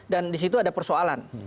dan di situ ada persoalan